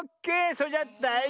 それじゃだい